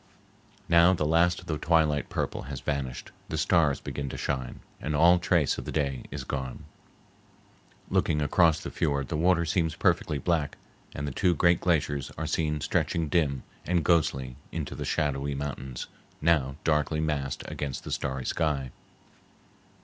Now the last of the twilight purple has vanished, the stars begin to shine, and all trace of the day is gone. Looking across the fiord the water seems perfectly black, and the two great glaciers are seen stretching dim and ghostly into the shadowy mountains now darkly massed against the starry sky.